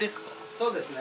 そうですね。